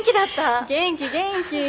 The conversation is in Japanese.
元気元気。